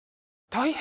大変！